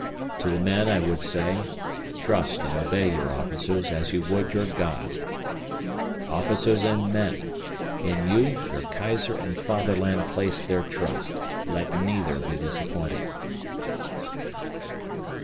"To the men I would say, trust and obey your officers as you would your God. Officers and men! In you, your Kaiser and Fatherland place their trust let neither be disappointed!"